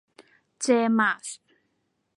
เจ มาร์ท